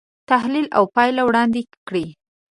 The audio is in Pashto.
تحلیل او پایله وړاندې کړي.